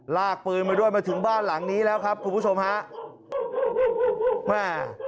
ลากปืนมาด้วยมาถึงบ้านหลังนี้แล้วครับคุณผู้ชมฮะแม่